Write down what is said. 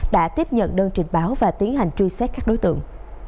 đã tiếp nhận đơn trình báo và tiến hành truy xét các đối tượng